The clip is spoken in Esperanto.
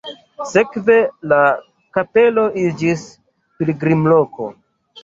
Sekve la kapelo iĝis pilgrimloko.